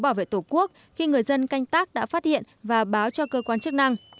bảo vệ tổ quốc khi người dân canh tác đã phát hiện và báo cho cơ quan chức năng